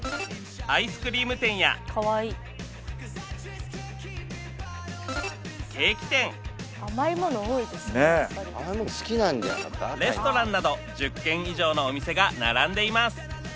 アイスクリーム店やケーキ店レストランなど１０軒以上のお店が並んでいます